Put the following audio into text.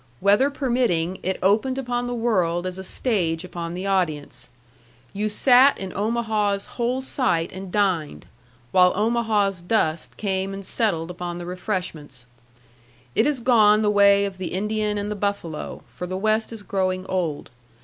Weather permitting, it opened upon the world as a stage upon the audience. You sat in Omaha's whole sight and dined, while Omaha's dust came and settled upon the refreshments. It is gone the way of the Indian and the buffalo, for the West is growing old.